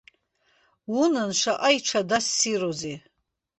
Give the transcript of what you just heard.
Унан, шаҟа иҽада ссирузеи!